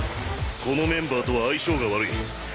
このメンバーとは相性が悪い。